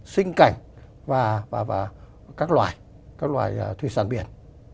sinh cảnh và các loài thủy sản biển